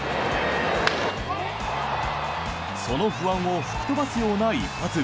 その不安を吹き飛ばすような一発。